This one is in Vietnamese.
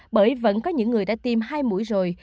bởi vẫn có những người đã tiêm hai mũi rồi